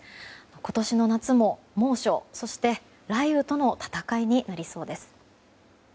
今年の夏も猛暑、そして雷雨との闘いになりそうです。